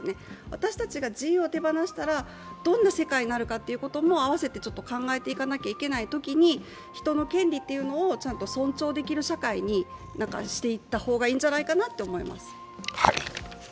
私たちが自由を手放したらどんな世界になるかということもあわせて考えていかないといけないときに人の権利というのをちゃんと尊重できる社会にしていった方がいいんじゃないかと思います。